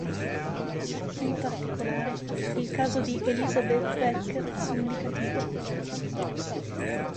In particolare, il caso di Elisabeth Becker fu indicativo.